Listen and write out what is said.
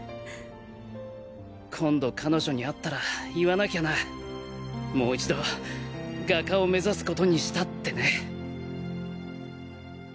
今度彼女に会ったら言わなきゃなもう一度画家を目指すことにしたってね。